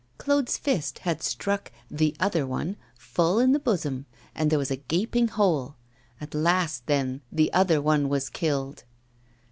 Claude's fist had struck 'the other one' full in the bosom, and there was a gaping hole! At last, then, that other one was killed!